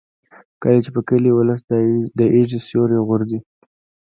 کله چې په کلي ولس د ایږې سیوری غورځي.